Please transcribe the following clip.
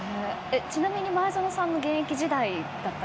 ちなみに前園さんの現役時代だったら。